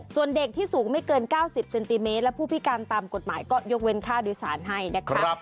ส่วนเด็กที่สูงไม่เกิน๙๐เซนติเมตรและผู้พิการตามกฎหมายก็ยกเว้นค่าโดยสารให้นะคะ